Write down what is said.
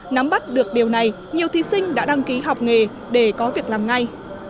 nắm bắt được điều này nhiều thí sinh đã đăng ký học nghề để có việc làm ngay